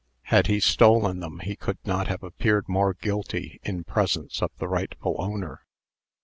Had he stolen them, he could not have appeared more guilty in presence of the rightful owner.